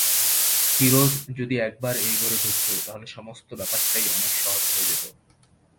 ফিরোজ যদি একবার এই ঘরে ঢুকত, তাহলে সমস্ত ব্যাপারটাই অনেক সহজ হয়ে যেত।